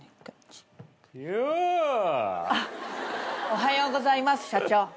おはようございます社長。